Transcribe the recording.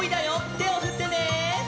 てをふってね！